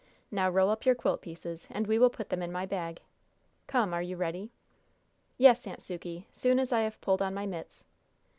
Now roll up your quilt pieces, and we will put them in my bag. Come! are you ready?" "Yes, Aunt Sukey, soon as I have pulled on my mits."